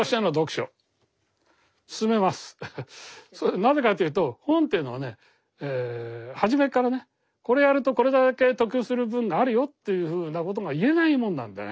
なぜかというと本というのはね初めっからねこれをやるとこれだけ得する分があるよというふうなことが言えないもんなんでね。